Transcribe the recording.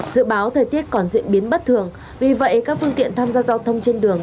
dự báo thời tiết còn diễn biến bất thường vì vậy các phương tiện tham gia giao thông trên đường